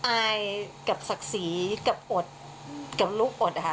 อายกับศักดิ์ศรีกับอดกับลูกอดนะคะ